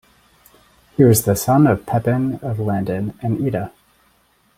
He was the son of Pepin of Landen and Itta.